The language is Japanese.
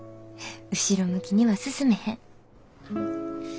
後ろ向きには進めへん。